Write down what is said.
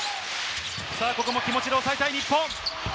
ここも気持ちで抑えたい日本。